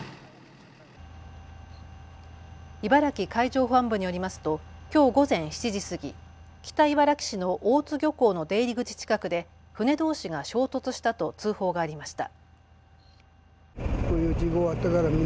茨城海上保安部によりますときょう午前７時過ぎ、北茨城市の大津漁港の出入り口近くで船どうしが衝突したと通報がありました。